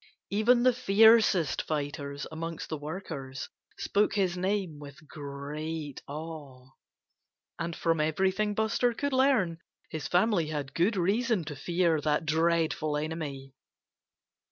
Even the fiercest fighters among the workers spoke his name with great awe. And from everything Buster could learn, his family had good reason to fear that dreadful enemy.